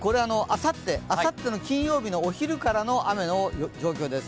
あさっての金曜日のお昼からの雨の状況です。